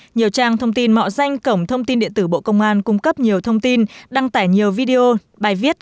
nhiều trang thông tin mạo danh cổng thông tin điện tử bộ công an cung cấp nhiều thông tin đăng tải nhiều video bài viết